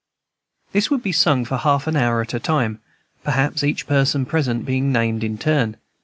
This would be sung for half an hour at a time, perhaps each person present being named in turn.